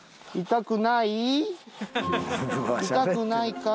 痛くないか？